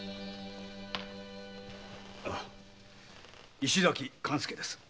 石崎勘助です。